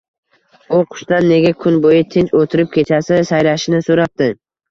U Qushdan nega kun bo‘yi tinch o‘tirib, kechasi sayrashini so‘rabdi